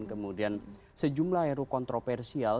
kemudian sejumlah ru kontroversial